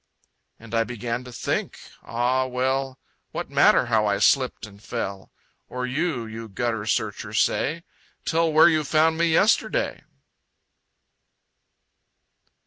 And I began to think... Ah, well, What matter how I slipped and fell? Or you, you gutter searcher say! Tell where you found me yesterday!